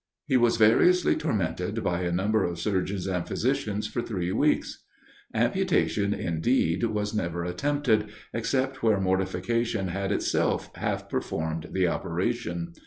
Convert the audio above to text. He was variously tormented by a number of surgeons and physicians for three weeks." Amputation indeed was never attempted, except where mortification had itself half performed the operation.